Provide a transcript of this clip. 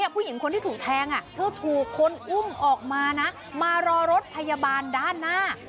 ผู้หญิงคนที่ถูกแทงเธอถูกคนอุ้มออกมานะมารอรถพยาบาลด้านหน้า